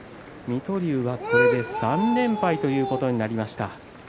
水戸龍は、これで３連敗ということになりました。